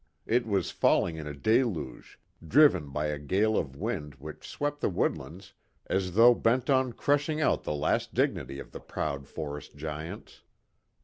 It was falling in a deluge, driven by a gale of wind which swept the woodlands as though bent on crushing out the last dignity of the proud forest giants.